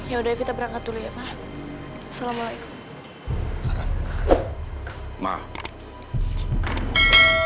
ya udah evita berangkat dulu ya ma